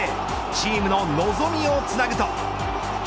チームの望みをつなぐと。